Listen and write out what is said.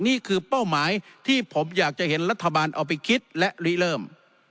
เป้าหมายที่ผมอยากจะเห็นรัฐบาลเอาไปคิดและลิเริ่ม